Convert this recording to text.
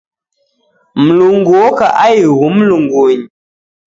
Mlungu oka aighu mlungunyi.